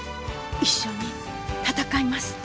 一緒に戦います。